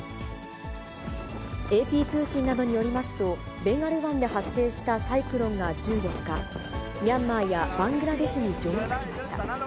ＡＰ通信などによりますと、ベンガル湾で発生したサイクロンが１４日、ミャンマーやバングラデシュに上陸しました。